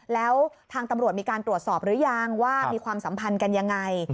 แล้วทางตำรวจมีการตรวจสอบหรือยังว่ามีความสัมพันธ์กันยังไง